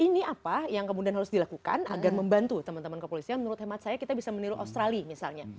jadi apa yang kemudian harus dilakukan agar membantu teman teman kepolisian menurut hemat saya kita bisa meniru australia misalnya